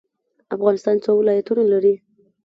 افغانستان څو ولایتونه لري؟